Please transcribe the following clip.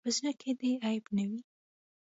په زړۀ کې دې عیب نه وي.